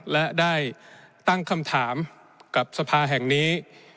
และได้ตั้งคำถามกับสภาแห่งนี้